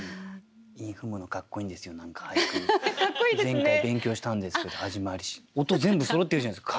前回勉強したんですけど「はじまりし」音全部そろってるじゃないですか。